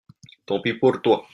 Tant pis pour toi.